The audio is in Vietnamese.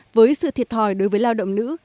với sự thiệt thòi đối với lao động nữ